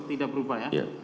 tidak berubah ya